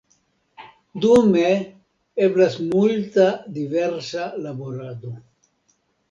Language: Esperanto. Dume eblas multa diversa laborado.